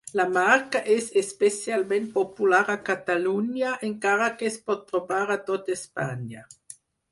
La marca és especialment popular a Catalunya, encara que es pot trobar a tot Espanya.